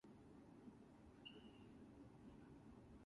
The group would, again, be a quintet.